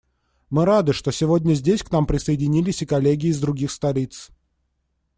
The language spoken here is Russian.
Мы рады, что сегодня здесь к нам присоединились и коллеги из других столиц.